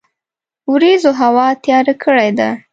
وریځوهوا تیار کړی ده